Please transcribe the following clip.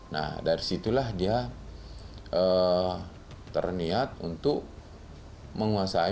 nah dari situlah dia terniat untuk menguasai